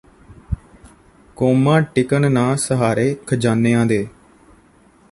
ਕੌਮਾਂ ਟਿਕਣ ਨਾ ਸਹਾਰੇ ਖ਼ਜ਼ਾਨਿਆਂ ਦੇ